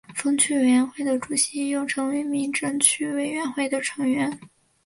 分区委员会的主席又成为民政区委员会的成员。